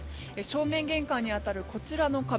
正面玄関に当たるこちらの壁。